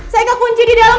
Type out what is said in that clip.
saya kekunci di dalam